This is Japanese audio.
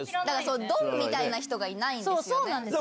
ドンみたいな人がいないんでそうなんですよね。